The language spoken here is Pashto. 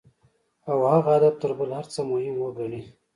او هغه هدف تر بل هر څه مهم وګڼي.